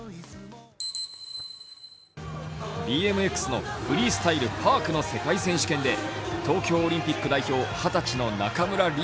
ＢＭＸのフリースタイル・パークの世界選手権で東京オリンピック代表、二十歳の中村輪